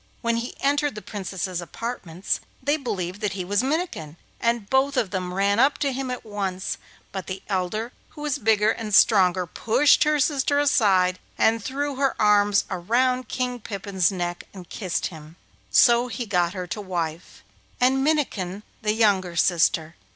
When he entered the Princess's apartments they believed that he was Minnikin, and both of them ran up to him at once; but the elder, who was bigger and stronger, pushed her sister aside, and threw her arms round King Pippin's neck and kissed him; so he got her to wife, and Minnikin the younger sister.